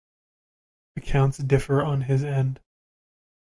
Accounts differ on his end.